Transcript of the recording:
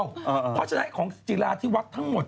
เพราะฉะนั้นของจิลาที่วัดทั้งหมด